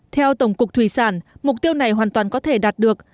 theo tổng cục thủy sản mục tiêu này hoàn toàn có thể đạt được